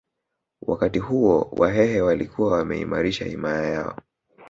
Wakati huo Wahehe walikuwa wameimarisha himaya yao